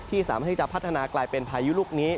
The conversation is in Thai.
สามารถที่จะพัฒนากลายเป็นพายุลูกนี้